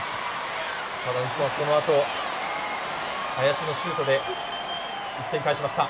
このあと林のシュートで１点、返しました。